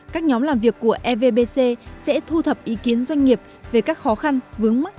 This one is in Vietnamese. các nhóm làm việc của evbc sẽ thu thập ý kiến doanh nghiệp về các khó khăn vướng mắt